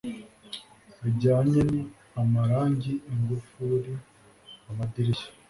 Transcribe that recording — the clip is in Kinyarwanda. bijyanye n amarangi ingufuri amadirishya